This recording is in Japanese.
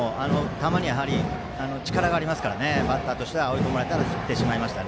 球に力がありますからバッターとしては追い込まれて振ってしまいました。